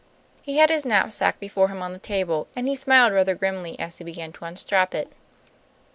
He had his knapsack before him on the table, and he smiled rather grimly as he began to unstrap it.